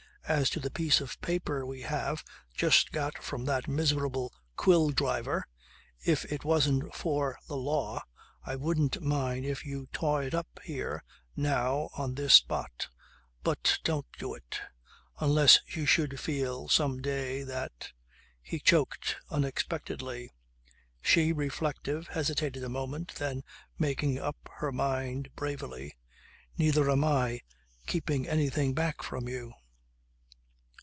As to the piece of paper we have just got from that miserable quill driver if it wasn't for the law, I wouldn't mind if you tore it up here, now, on this spot. But don't you do it. Unless you should some day feel that " He choked, unexpectedly. She, reflective, hesitated a moment then making up her mind bravely. "Neither am I keeping anything back from you."